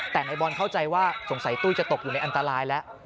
แต่ในบอลเข้าใจว่าสงสัยตุ้ยจะตกอยู่ในอันตรายแล้ว